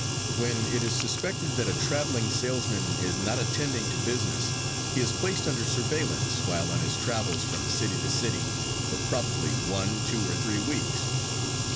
When it is suspected that a traveling salesman is not attending to business, he is placed under surveillance while on his travels from city to city, for probably one, two or three weeks.